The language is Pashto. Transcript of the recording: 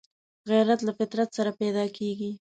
غیرت له فطرت سره پیدا کېږي